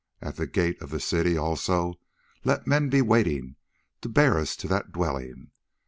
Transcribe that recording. At the gates of the city also let men be waiting to bear us to that dwelling.